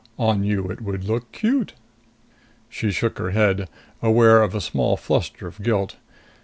"On you it would look cute." She shook her head, aware of a small fluster of guilt.